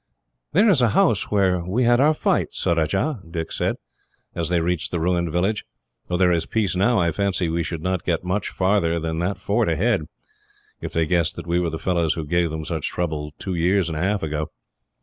"There is the house where we had our fight, Surajah," Dick said, as they reached the ruined village. "Though there is peace now, I fancy we should not get much farther than that fort ahead, if they guessed that we were the fellows who gave them such trouble, two years and a half ago."